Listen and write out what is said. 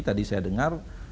tadi saya dengar